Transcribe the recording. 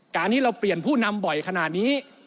การที่เราเปลี่ยนผู้นำบ่อยขนาดนี้